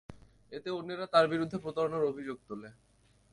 এতে অন্যেরা তার বিরুদ্ধে প্রতারণার অভিযোগ তোলে।